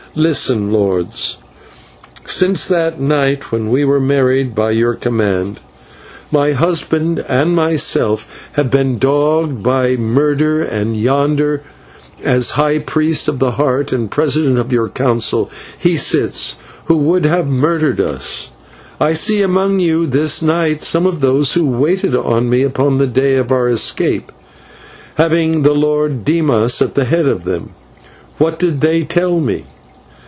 Listen, lords: Since that night when we were married by your command, my husband and I myself have been dogged by murder, and yonder, as high priest of the Heart and president of your councils, he sits who would have murdered us. I see among you this night some of those who waited on me upon the day of our escape, having the Lord Dimas at the head of them. What did they tell me?